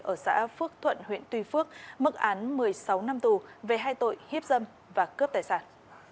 ở xã phước thuận huyện tuy phước mức án một mươi sáu năm tù về hai tội hiếp dâm và cướp tài sản